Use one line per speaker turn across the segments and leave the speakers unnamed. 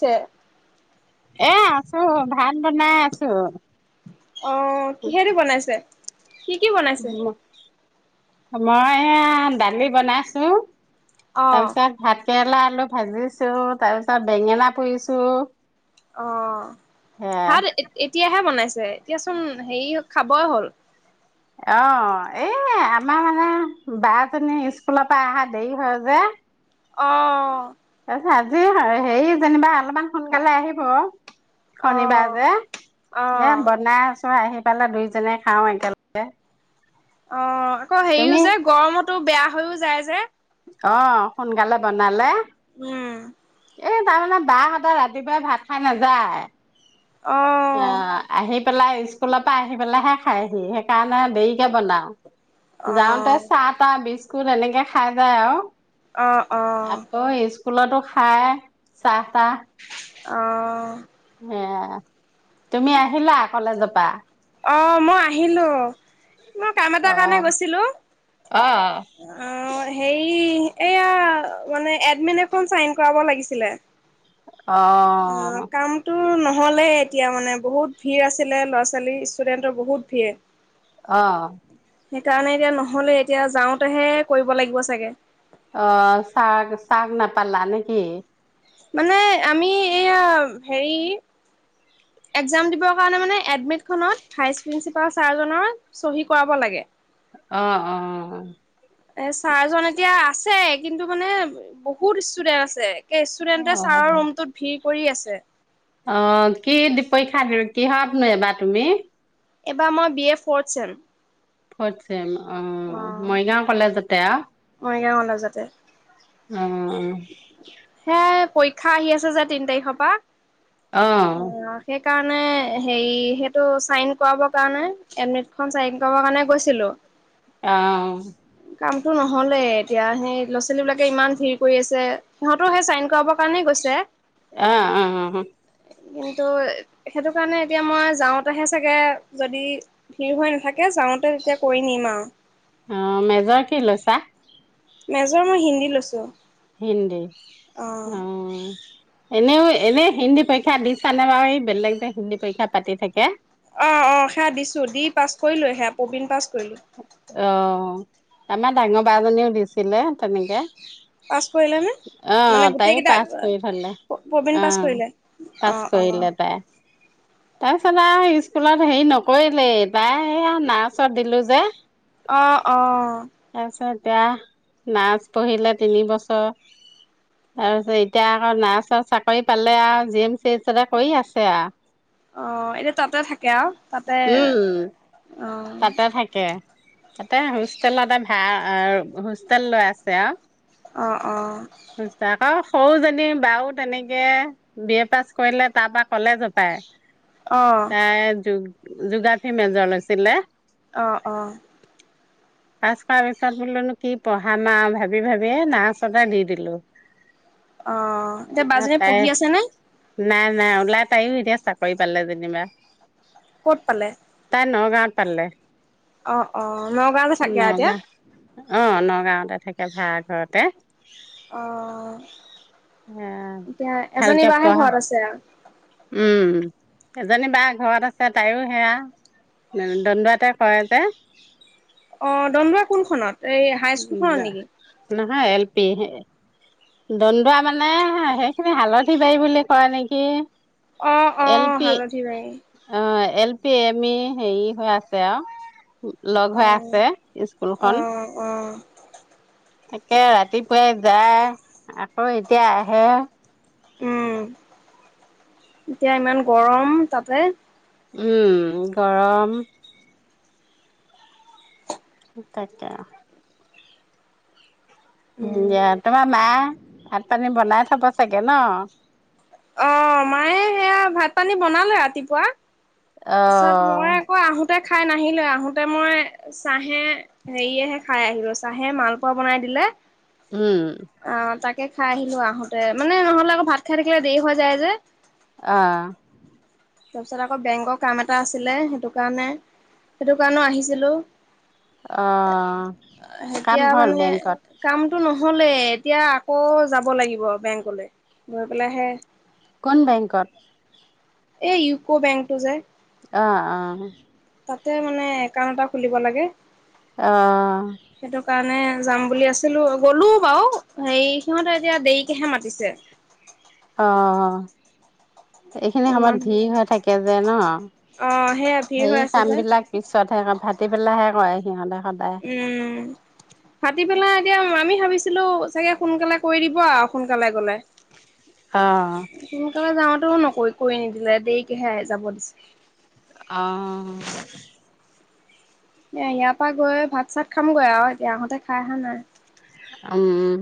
ছে
এ, আছো ভাল। তোৰ নাই আছো।
অ', কিহেদি বনাইছে? কি কি বনাইছে?
মই এ, দালি বনাইছো।
অ'
তাৰপিছত ভাত। কেৰেলা আলু ভাজিছো তাৰ পিছত বেঙেনা পুৰিছো।
অ',
সেয়াই
ভাত এতিয়াহে বনাইছো। এতিয়া চোন হেৰি খাবই হ'ল।
অ এই আমাৰ মানে বা জনী স্কুলৰ পৰা অহা দেৰি হয় যে
অ'।
তাৰপিছত আজি হেৰি যেনিবা অলপমান সোনকালে আহিব। শনিবাৰ
অ'
যে এ
অ'
বনাই আছ আহি পালে দুইজনে খাওঁ একেলগে।
অ', আকৌ হেৰিও
তুমি
যে গৰমতো বেয়া। হৈও যায় যে।
অ', সোনকালে বনালে।
উম।
এই তাৰমানে বাহঁতৰ ৰাতিপুৱাই ভাত খাই নাযায়।
অ'।
অ', আহি পেলাই স্কুলৰ পৰা আহি পেলাইহে খাইহি সেইকাৰণে দেৰিকে বনাও। যাওঁতে
অ'
চাহ টা বিছ স্কুল এনেকে খাই যায় আৰু।
অ', অ'।
আকৌ স্কুলতো খাই চাহ তাহ
অ'
উম। তুমি আহিলা কলেজত? বা
অ', মই আহিলোঁ। মই কাম এটাৰ কাৰণে
অ'।
গৈছিলো
অ'।
আহ হে এয়া মানে এডমিন এখন চাইন কৰাব লাগিছিলে।
অ'।
নহ'লে এতিয়া মানে বহুত ভিৰ আছিলে ল'ৰা ছোৱালী, ষ্টুডেণ্টৰ বহুত ভিৰ
অ'।
সেইকাৰণে এতিয়া নহ'লে এতিয়া যাওঁতেহে কৰিব লাগিব চাগে।
অ', চাহ চাহ নাপালা নেকি?
মানে আমি এয়া হেৰি। এক্সাম দিব কাৰণে মানে এডমিট খনত ভাইচ প্ৰিন্সিপাল চাৰ জনৰ চহী কৰাব লাগে।
অ অ অ
এ ছাৰজন এতিয়া আছে কিন্তু মানে বহুত ষ্টুডেন্ট আছে ষ্টুডেণ্টে ছাৰৰ ৰুমটোত ভিৰ কৰি আছে
অ কি পৰীক্ষা কিহত নো এইবাৰ তুমি।
এবাৰ মই বি এ প়চ
ফৰট চেম অ মৰিগাঁও কলেজতে আ।
মৰিগাঁও কলেজতে
অহ
হে পৰীক্ষা আহি আছে যে তিন তাৰিখৰ পৰা
অ
কাৰণে হেৰি সেইটো চাইন কৰাব কাৰণে এডমিট খন চাইন কৰা কাৰণে গৈছিলো
অহ
কামতটো নহলে এতিয়া সেই ল'ছোৱালী বিলাকে ইমান ভিৰ কৰি আছে সিহঁতো সেই চাইন কৰাব কাৰণে গৈছে
আ অ উ
কিন্তু সেইটো কাৰণে এতিয়া মই যাওঁতেহে চাগে যদি ভিৰ হৈ নাথাকে যাওঁতে তেতিয়া কৰি নিম আৰু
অ মেজৰ কি লৈ চা
মেজৰ মই হিন্দী লৈছো
হিন্দী অ এনেও এনেই হিন্দী পৰীক্ষা দিছানে বাৰু এই বেলেগ যে হিন্দী পৰীক্ষা পাতি থাকে
অ অ সেয়া দিছো দি পাছ কৰিলো সেয়া প্ৰবীন পাছ কৰিলো
অহ তমানাৰ ডাঙৰ ব জনীও দিছিলে তেনেকে
পাছ কৰিলে নে মানে
অ', তাইও পাছ
গোটেইকেইটা
কৰি থলে
প্ৰবীণ পাছ
অ',
কৰিলে অ
পাছ
অ
কৰিলে তাই। তাৰপিছত আৰু স্কুলত হেৰি নকৰিলেই বাই নাৰ্চত দিলো যে
অ অ
তাৰপিছত এতিয়া নাৰছ পঢ়িলে তিন বছৰ তাৰপিছত এতিয়া আকৌ নাৰছৰ চাকৰি পালে আৰু জি এম চি এইচতে কৰি আছে আৰু
অ এনেয়া তাতে থাকে কে আৰু তাতে
উম,
অ
তাতে থাকে। তাতে হোষ্টেলতে ভাৰা হোষ্টেল লৈ আছে আৰু
অ অ
অ সৰুজনী বাাৰু তেনেকে বি এ পাছ কৰিলে তাৰ পৰা কলেজো পায়
অ
তাই য যোগাৰ ফি মেজৰ লৈছিলে
আহ আহ।
পাছ কৰ পিছত বোলোনো কি পঢ়াম আৰু ভাবি ভাবিয়ে, নাৰ্চতে দি দিলো।
অ এতিয়া বা জনী পঢ়ি আছে নে?
নাই, নাই ওলাই তাইও এতিয়া চাকৰি পালে যেনিবা।
ক'ত পালে?
নগাওঁত পালে।
অ', অ', নগাওঁ
নগাঁও। অ', নগাঁৱতে থাকে ভাড়া ঘৰতে।
অ',
এ
এতিয়া এজনী
ভালকে
বাহে
পঢ়া
ঘৰত আছে আৰু।
উম, এজনী বা ঘৰত আছে তাইও সেয়া দণ্ডুৱাতে কৰে যে।
অ', দন্দুৱা কোনখনত? এই হাই স্কুলখনত নেকি?
নহয় এল পি দন্দুৱা মানে সেইখিনি হালধি বাৰী বুলি কয় নেকি?
অ অ
এল পি
হালধিবাৰী
অ এল পি এম ই।। হেৰি হৈ আছে আৰু।। লগ
অ
হৈ আছে
অ
স্কুলখন।
অ
তাকে ৰাতিপুৱাই যায় আকৌ এতিয়া আহে।
উম এতিয়া ইমান গৰম তাতে।
ওম গৰম।। এটাতে উম দিয়া, তোমাৰ মা ভাত পানী বনাই-' চাব চাগে ন [inaudible]
অ', মায়ে সেয়া ভাত পানী বনালে ৰাতিপুৱা। তাৰপিছত
অ',
মই আকৌ
অ'।
আহোতে খাই নাহিলো আহোতে মই চাহে হেৰিয়েহে খাই আহিলো। চাহে মালপোৱা বনাই দিলে।
উম।
আহ তাকে খাই আহিলো আহোতে, মানে নহ'লে আৰু ভাত খাই।। তেতিয়া দেৰি হৈ যায় যে।
আহ
তাৰপিছত আকৌ বেংকৰ কাম এটা আছিলে। সেইটো কাৰণে সেইটো কাৰণেও আহিছিলো।।
অ', কাম
এতিয়া
হ'ল
মানে
বেংকত?
কামটো নহলে এতিয়া আকৌ যাব লাগিব বেংকলৈ। বলেহে
কোন বেংকত?
এই ইউকো বেংকটো যে।
অ', অ'।
তাতে মানে একাউণ্ট এটা খুলিব লাগে।
অ।
সেইটো কাৰণে যাম বুলি আছিলো, গ'লো বাৰু হেৰি সিহঁতে এতিয়া দেৰিকেহে মাতিছে।
অ অ এইখিনি সময়ত
মানুহ
ভিৰ হৈ থাকে যে ন,
অ' সেয়া ভিৰ
সেই
হৈ আছে যে
কামবিলাক পিছতহে ভাটি বেলাহে হয় সিহঁতে সদায়
উম, ফাটি পেলাই এতিয়া আমি ভাবিছো ছিলো চাগে সোনকালে কৰি দিব আৰু, সোনকালে গলে।
অ
সোনকালে যাওঁতো নকৰি কৰি নিদিলে দেই কিহেৰে যাব দিছে।
অ
এ, ইয়াৰ পা গৈ ভাত চাত খামগৈ আৰু এতিয়া আহোঁতে খাই আহা নাই।
উম, উম।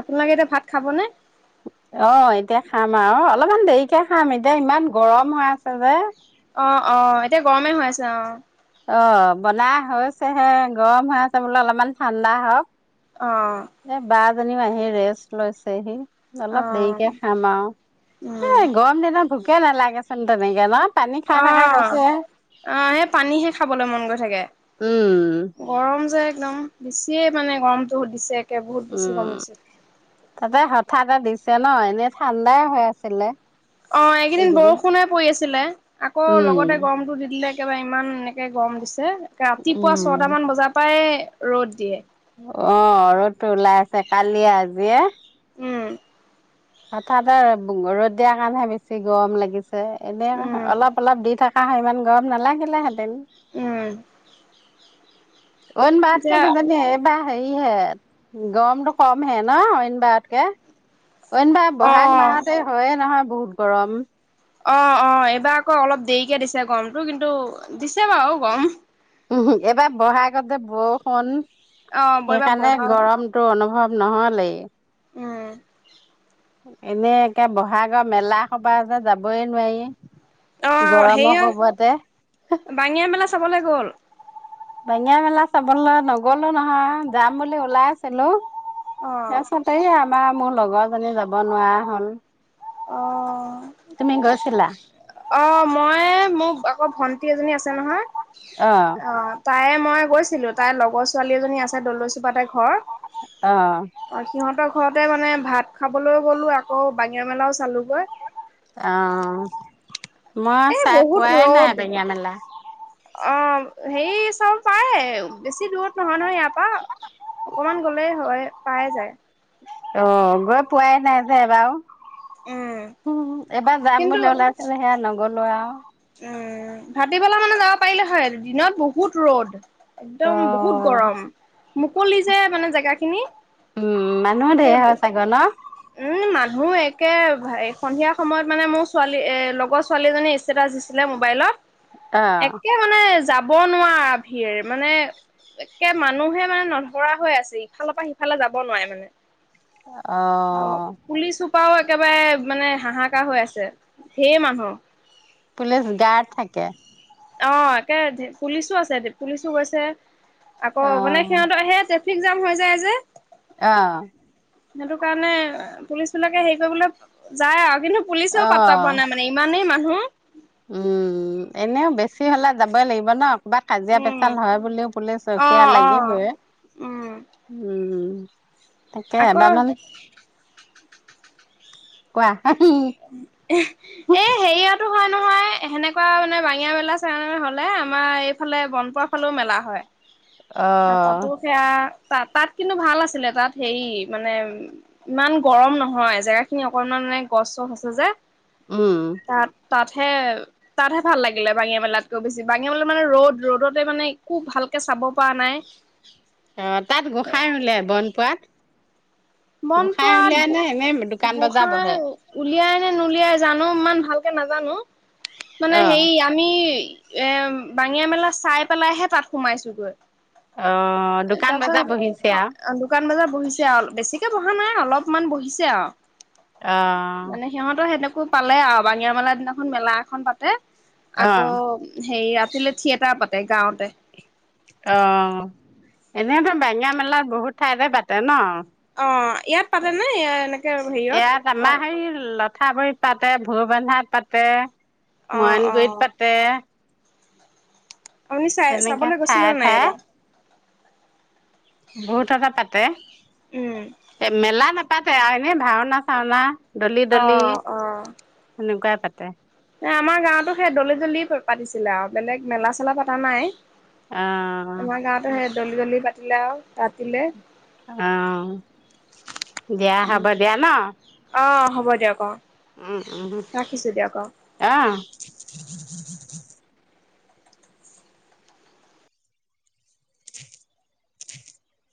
আপোনালোকে এতিয়া ভাত খাবনে?
তে খাম, এতিয়া ইমান গৰম হৈ আছে যে।
অ', অ, এতিয়া গৰমে হৈ আছে অ।
অ', বনাই হৈছেহে, গৰম হৈ আছে বোলো অলপমান ঠাণ্ডা হওক।
অ।
[unintelligible] জনী আহি ৰেষ্ট লৈছেহি। অলপ
অ'
দেৰিকে খাম আৰু, হে
উম।
গৰম দিনত ভোকে নালগেচুন তেনেকে ন? পানী খাই থকা
অ',
গৈছে
অ', সেই পানীহে খাবলৈ মন গৈ থাকে,
উম
গৰম যে একদম। বেছিয়ে মানে গৰমতটো দিছে একে বহুত বেছি গৰম
উম,
দিছে।
তাতে হঠাতে দিছে ছে ন? এনেই ঠাণ্ডাই হৈ আছিলে।
অ', এইকেইদিন বৰষুণনে পৰি আছ ছিলে আকৌ
উম
লগতে গৰমটো দি দিলে একেবাৰে ইমান। একে গৰম দিছ ৰাতিপুৱা
উম
ছটা মান বজাৰ পৰাই ৰ'দ দিয়ে
অ', ৰদটো ওলাই আছে কালি আজিয়ে।
উম,
হঠাতে ৰ'দ দিয়াৰ কাৰণেহে বেছি গৰম লাগিছে ছে এনে
উম,
অলপ অলপ দি থাক আহ ইমান গৰম নালাগিলে হে টেন
উম,
অন বাৰতকে
এতিয়া
কেজানি এইবা হেৰি হে গৰমটো কম হে ন? অইন বাৰতকে। অইন বাৰ বহাগ
অ'
মাহতে হয়য়ে নহয়। বহুত গৰম।
অ', অ', এইবাৰ আকৌ অলপ দেইকে দিছে গমটো কিন্তু দিছে বাৰু গম।
উমহু, এবাৰ বহাগতে বৰষুণ।
অ' বৈবা
হেইকাৰণে
বহাগ
গৰমতটো অনুভৱ নহ'লেই।
উম।
এনে একে বহাগৰ মেলা সপা যে যাবই নোৱাৰি।
অ'
গৰমৰ
হেয়ীয়,
কোবতে
বাঙিয়া মেলা চাবলে গ'ল?
বাঙিয়া মেলা চাবলৈ নগলো নহয়, যাম বুলি ওলাইছিলো। [unintelligible]
অ'
এয়াচত এইয়া তোমা মোৰ লগৰজনী যাব নোৱাৰা হ'ল।
অ'।
তুমি গৈছিলা
অ', ময়ে মোক [unintelligible] তোমাৰ ভন্টি এজনী আছে নহয়? অ', তাইয়ে মই। গৈছিলো, তাই লগৰ ছোৱালী এজনী আছে, দলৈচুপাতে ঘৰ।
অ
অ', সিহঁতক, ঘৰতে মানে ভাত খাবলৈও গ'লো, আকৌ বাঙিয়া মেলাও চালোগৈ।
অ'। মই
এ
চাই
বহুত
পোৱাই নাই,
ৰ'দ
বাঙিয়া মেলা।
অ' হেই চাৱ পায়ে, বেছি দূৰত নহয় নহয় ইয়াৰ পৰা, অকমান গলে হয়ে পায়ে যায়।
অ' গৈ পোৱাই নাই যে এবাৰু। উম, উম, এবাৰ যাম
কিন্তু
বুলি ওলাইছিলে হেয়া ন গ'লো আওঁ।
উম, ভাটিবেলা মানে যাব পাৰিলে হয়, দিনত বহুত ৰ'দ।
ত'
একদম বহুত গৰম। মুকলি যে মানে জেগাখিনি।
উম, মানুহ ধেৰ হয় চাগৈ ন?
হু, একে ভা এ সন্ধিয়া সময়ত মানে মোৰ ছোৱালী, এ লগৰ ছোৱালীজনী ইচ ষ্টেটাছ দিছিলে মোবাইলত।
অ'।
একে মানে যাব ব নোৱাৰা ভিৰ মানে, একে মানুহে মানে নধৰা হৈ আছে ইফালৰ পৰা সিফালে যাব নোৱাৰে মানে।
অ'।
পাও একেবাৰে মানে হাহাকাৰ হৈ আছে, ধেৰ মানুহ।
পুলিচ গাৰ্ড থাকে।
অ একে পুলিচো আছে পুলিচো গৈছে আকৌ মানে
অ'
সিহঁতৰ আহে তেতিয়া পিক যাম হৈ যায় যে
অহ
সেইটো কাৰণে পুলিচ বিলাকে হেৰি কৰিবলৈ যায় আৰু কিন্তু পুলিচও পাতা
অ'
পোৱা নাই মানে ইমানেই মানুহ
উম এনেও বেছি বেছি হলে যাবই লাগিব ন কবাত কাজিয়া
উম
পেচাল হয় বুলিও পুলিছ
অ
সেয়া
অ
লাগিবই
উম
উম উম
আকৌ
তাকেএবাৰ মান কোৱা
এ হেৰিয়ত তোৰ হয় নহয় সেনেকুৱা মানে বাঙিয়া মেলা চণ হলে আমাৰ এইফালে বনপোৱা ফালেও মেলা হয়
অ'
তাতো সেয়া তাত তাত কিন্তু ভাল আছিলে তাত হেৰি মানে ইমান গৰম নহয় জেগা খিনি অকনমান মানে গছ চছ আছে যে
উম,
তাত তাত হে তাতহে ভাল লাগিলে বাঙীয়া মেলাতকৈ বেছি বাঙীয়া মেলা মানে ৰ'দ ৰ'দতে মানে খুব ভালকে চাব পোৱা নাই
অ তাত গোঁসাই লে বনপোৱাত
মন প
এনে দোকান বজাৰ
গোসাই
বহে?
উলিয়াই নলিয়াই জানো ইমান ভালকে নাজানো মানে হে
অহ
আমি এ বাঙিয়া মেলা চাই পেলাইহে তাত সোমাইছোগৈ
অহ দোকান বজাৰ
তাৰপিছত
বহিছে
দোকান বজাৰ বহিছে
আৰু
আৰু বেছিকে বহা নাই অলপমান বহিছে আৰু মানে সিহঁতৰ সেনেকা পালে আৰু বাঙিয়া মেলা দিনাখন মেলা এখন পাতে
অহ
আকৌ হেৰি ৰাতিলৈ থিয়েটাৰ পাতে এ গাঁৱতে
সনেহঁৰ বােঙিয় মেলাত বহুত ঠাইতে পাতে ন
অ ইয়াত পাতে ন এনেকে হেৰিত অ
কঠাপুৰিত পাতে ভোৰ বন্ধাত পাতে
অ'
ময়নগুৰিত
অ'
পাতে
আপুনি চাই
তেনেকে
চাবলৈ গৈছিলে
ঠায়ে
নাইব
বহুতটা পাতে
উম।
এ মেলা নে পাতে আৰু এনে ভাওনা চাওনা ডলি ডালি
অ'
এনেকুৱা তাতে
ন আমাৰ গাঁৱতো সেই দলেি জলিয় পাতিছিলে আৰু বেলেগ মেলা [unintelligible] পতা নাই,
অহ
আমাৰ গাৱতো সেই জল্দি জল্দি পা ৰা ৰাতিলে
অ'। দিয়া
উম।
হব দিয়া ন
অ', হ'ব দিয়ক অ',
উম উম
ৰাখিছোঁ দিয়ক অ'।
অ [inaudible] [unintelligible]